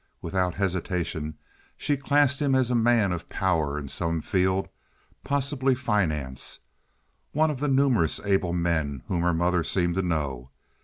Without hesitation she classed him as a man of power in some field, possibly finance, one of the numerous able men whom her mother seemed to know.